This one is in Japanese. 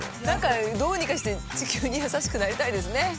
何かどうにかして地球に優しくなりたいですね。